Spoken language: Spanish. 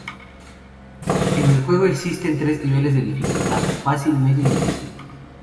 En el juego existen tres niveles de dificultad: fácil, medio y difícil.